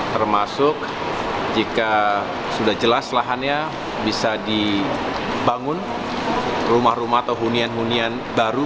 termasuk jika sudah jelas lahannya bisa dibangun rumah rumah atau hunian hunian baru